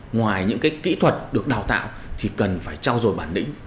ngoài những kỹ thuật được đào tạo thì cần phải trao dồi bản lĩnh